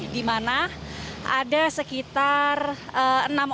di mana ada sekitar enam orang